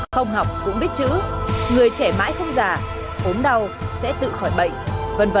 không học cũng biết chữ người trẻ mãi không già ốm đau sẽ tự khỏi bệnh v v